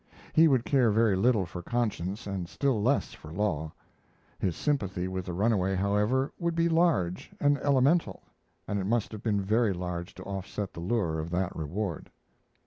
He would care very little for conscience and still less for law. His sympathy with the runaway, however, would be large and elemental, and it must have been very large to offset the lure of that reward.